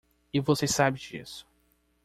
E você sabe disso.